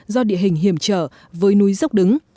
do địa hình hiểm trở với núi dốc đứng